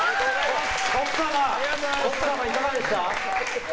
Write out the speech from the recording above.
奥様、いかがでした？